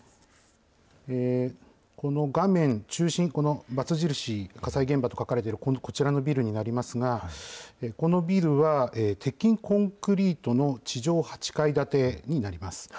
この画面中心、この×印、火災現場と書かれているこちらのビルになりますが、このビルは、鉄筋コンクリートの地上８階建てになります。